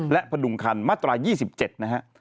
และพดุงคันมาตรา๒๗นะฮะ